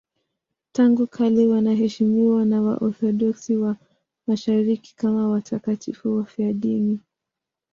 Tangu kale wanaheshimiwa na Waorthodoksi wa Mashariki kama watakatifu wafiadini.